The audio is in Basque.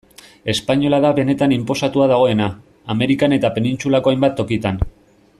Espainola da benetan inposatuta dagoena, Amerikan eta penintsulako hainbat tokitan.